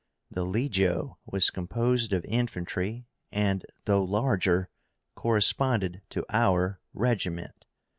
The LEGIO was composed of infantry, and, though larger, corresponded to our regiment.